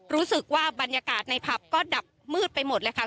รู้สึกว่าบรรยากาศในผับก็ดับมืดไปหมดเลยค่ะ